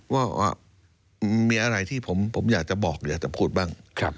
ว่ามีอะไรที่ผมอยากจะบอกอยากจะพูดบ้าง